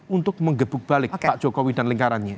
untuk menggebuk balik pak jokowi dan lingkarannya